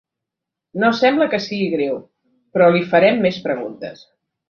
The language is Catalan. No sembla que sigui greu, però li farem més preguntes.